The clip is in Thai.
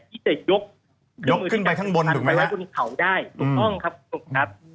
ที่จะยกเครื่องมือที่จะขุดเจาะไปไล่บนเขาได้ถูกต้องครับคุณหนุ่มครับ